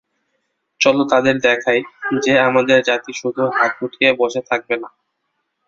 চলো তাদের দেখাই, যে আমাদের জাতি শুধু হাত গুটিয়ে বসে থাকবে না।